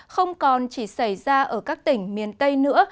không còn chỉ xảy ra ở các tỉnh miền tây nữa